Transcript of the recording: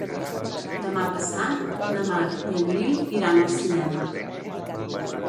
Demà passat na Mar i en Nil iran al cinema.